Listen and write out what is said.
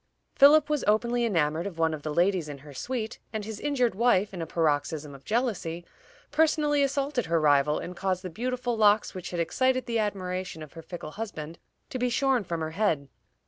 Philip was openly enamored of one of the ladies in her suite, and his injured wife, in a paroxysm of jealousy, personally assaulted her rival, and caused the beautiful locks which had excited the admiration of her fickle husband to be shorn from her head.